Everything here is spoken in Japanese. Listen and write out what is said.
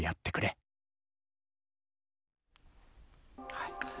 はい。